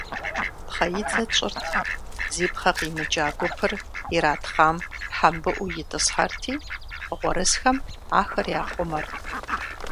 Пхъэидзэ тщӀырт, зи пхъэ къимыкӀа гупыр иратхъам хьэмбыӀуу итӏысхьэрти, гъуэрысхэм ахэр яхъумэрт.